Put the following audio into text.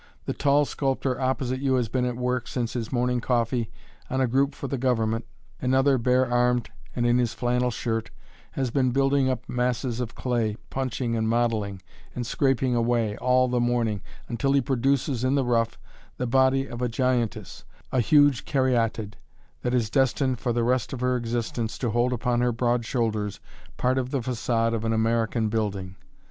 The tall sculptor opposite you has been at work, since his morning coffee, on a group for the government; another, bare armed and in his flannel shirt, has been building up masses of clay, punching and modeling, and scraping away, all the morning, until he produces, in the rough, the body of a giantess, a huge caryatide that is destined, for the rest of her existence, to hold upon her broad shoulders part of the façade of an American building.